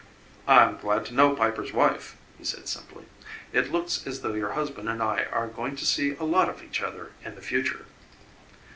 "I'm glad to know Piper's wife," he said simply. "It looks as though your husband and I are going to see a lot of each other in the future."